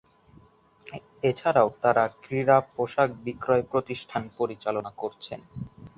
এছাড়াও তারা ক্রীড়া পোশাক বিক্রয় প্রতিষ্ঠান পরিচালনা করছেন।